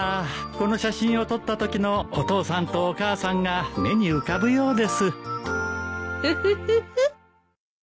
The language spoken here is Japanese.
この写真を撮ったときのお父さんとお母さんが目に浮かぶようです。